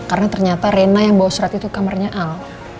karena ternyata rena yang bawa surat itu kamarnya al